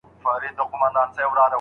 هغه بل دي جېب ته ګوري وايی ساندي